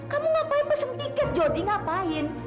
kamu ngapain pesen tiket jody ngapain